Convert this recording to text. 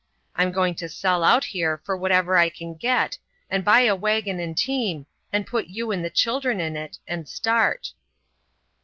I'm going to sell out here for whatever I can get, and buy a wagon and team and put you and the children in it and start."